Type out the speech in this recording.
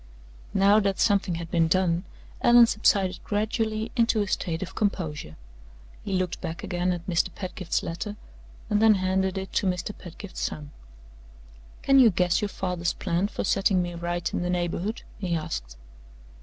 Now that something had been done, Allan subsided gradually into a state of composure. He looked back again at Mr. Pedgift's letter, and then handed it to Mr. Pedgift's son. "Can you guess your father's plan for setting me right in the neighborhood?" he asked.